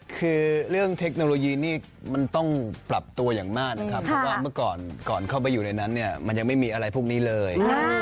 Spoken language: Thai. คือเรื่องเทคโนโลยีนี่มันต้องปรับตัวอย่างมากนะครับเพราะว่าเมื่อก่อนก่อนเข้าไปอยู่ในนั้นเนี่ยมันยังไม่มีอะไรพวกนี้เลย